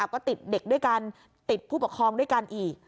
ก็ติดเด็กด้วยกันติดผู้ปกครองด้วยกันอีก